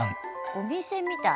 お店みたい。